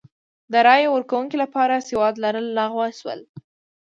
د رایې ورکونې لپاره سواد لرل لغوه شول.